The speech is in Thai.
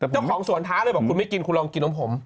เจ้าของสวนท้าเลยบอกคุณไม่กินคุณลองกินนมผม